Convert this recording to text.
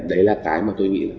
đấy là cái mà tôi nghĩ là